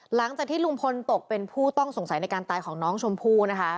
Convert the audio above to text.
หลังจากที่ลุงพลตกเป็นผู้ต้องสงสัยในการตายของน้องชมพู่นะคะ